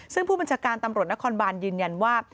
ซึ่งผู้บัญชาการตำรวจนครบานยืนยันว่า